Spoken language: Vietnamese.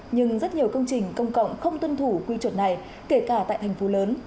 nhưng rất nhiều công trình công cộng không tuân thủ quy chuẩn này kể cả tại thành phố lớn